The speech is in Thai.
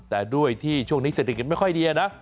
แต่ด้วยที่ช่วงนี้เศรษฐกิจไม่ค่อยดีนะ